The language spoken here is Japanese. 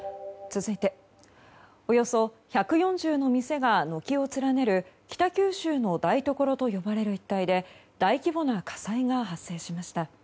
続いておよそ１４０の店が軒を連ねる北九州の台所と呼ばれる一帯で大規模な火災が発生しました。